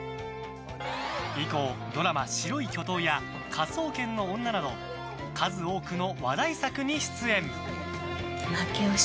以降、ドラマ「白い巨塔」や「科捜研の女」など数多くの話題作に出演。